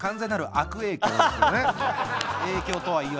影響とはいえ。